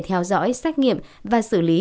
theo dõi xác nghiệm và xử lý